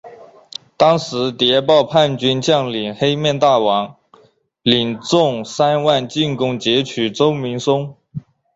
当时谍报叛军将领黑面大王领众三万进攻截取周明松。